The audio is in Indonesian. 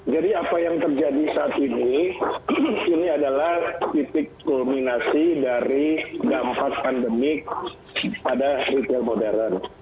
jadi apa yang terjadi saat ini ini adalah titik kulminasi dari dampak pandemik pada retail modern